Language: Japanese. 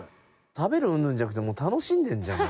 食べるうんぬんじゃなくてもう楽しんでるじゃん。